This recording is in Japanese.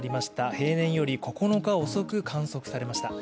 平年より９日遅く観測されました。